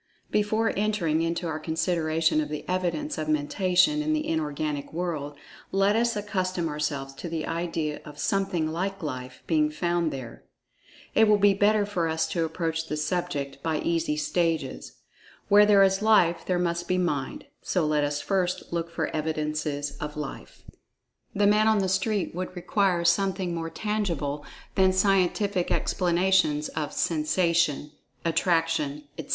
Before entering into our consideration of the evidence of Mentation in the Inorganic world, let us accustom ourselves to the idea of "something like Life" being found there. It will be better for us to approach the subject by easy stages. Where there is Life there must be Mind—so let us first look for evidences of Life. The "man on the street" would require something more tangible than scientific explanations of "sensation," "attraction," etc.